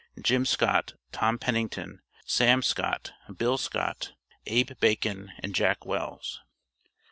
JIM SCOTT, TOM PENNINGTON, SAM SCOTT, BILL SCOTT, ABE BACON, AND JACK WELLS.